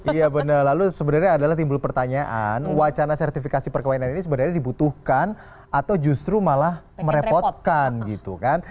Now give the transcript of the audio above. iya benar lalu sebenarnya adalah timbul pertanyaan wacana sertifikasi perkawinan ini sebenarnya dibutuhkan atau justru malah merepotkan gitu kan